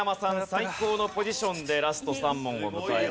最高のポジションでラスト３問を迎えます。